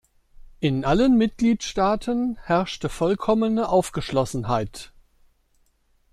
In allen Mitgliedstaaten herrschte vollkommene Aufgeschlossenheit.